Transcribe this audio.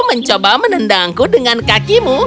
mencoba menendangku dengan kakimu